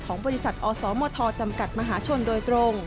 บริษัทอสมทจำกัดมหาชนโดยตรง